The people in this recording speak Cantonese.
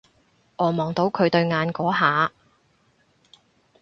我望到佢對眼嗰下